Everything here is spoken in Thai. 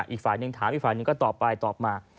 อีกฝ่ายหนึ่งถามอีกฝ่ายหนึ่งก็ตอบไปตอบมา